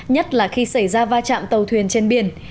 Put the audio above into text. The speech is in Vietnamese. nhất là khi xảy ra va chạm tàu thuyền trên biển